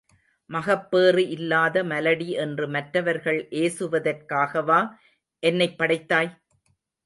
மகப்பேறு இல்லாத மலடி என்று மற்றவர்கள் ஏசுவதற்காகவா என்னைப் படைத்தாய்?